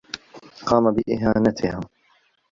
قام بإهانتها.